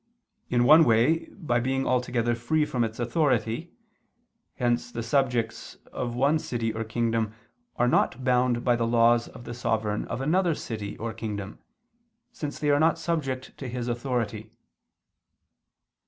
In one way, by being altogether free from its authority: hence the subjects of one city or kingdom are not bound by the laws of the sovereign of another city or kingdom, since they are not subject to his authority.